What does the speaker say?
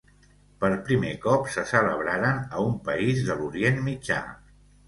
Per primer cop se celebraren a un país de l'Orient Mitjà.